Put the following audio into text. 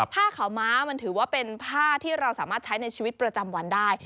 ผ้าขาวม้ามันถือว่าเป็นผ้าที่เราสามารถใช้ในชีวิตประจำวันได้